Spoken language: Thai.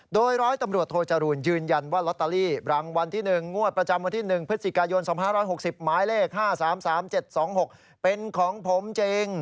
โดยร้อยตำรวจโทจรูลยืนยันว่าลอตเตอรี่รางวัลที่๑งวดประจำวันที่๑พฤศจิกายน๒๕๖๐หมายเลข๕๓๓๗๒๖เป็นของผมจริง